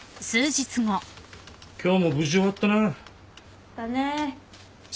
今日も無事終わったな。だね。